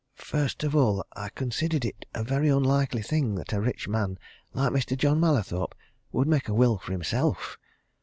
First of all, I considered it a very unlikely thing that a rich man like Mr. John Mallathorpe would make a will for himself.